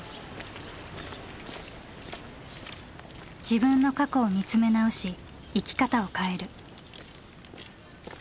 自分の過去を見つめ直し生き方を変える。